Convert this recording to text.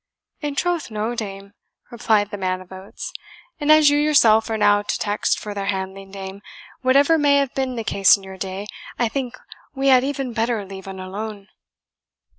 "In troth no, dame," replied the man of oats; "and as you yourself are now no text for their handling, dame, whatever may have been the case in your day, I think we had e'en better leave un alone."